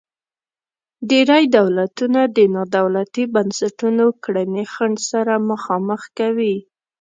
ډیری دولتونه د نا دولتي بنسټونو کړنې خنډ سره مخامخ کوي.